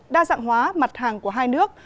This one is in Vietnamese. đa dạng hóa mặt hàng của hai nước